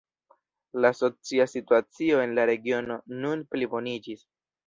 La socia situacio en la regiono nun pliboniĝis.